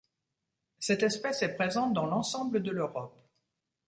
Cette espèce est présente dans l'ensemble de l'Europe.